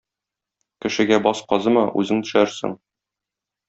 Кешегә баз казыма - үзең төшәрсең.